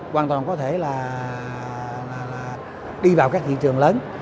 hoàn toàn có thể là đi vào các thị trường lớn